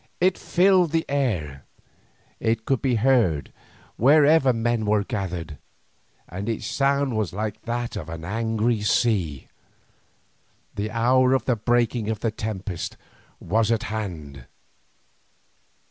It filled the air, it could be heard wherever men were gathered, and its sound was like that of a distant angry sea. The hour of the breaking of the tempest was at hand.